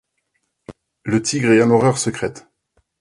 Le tigre ayant l’horreur secrète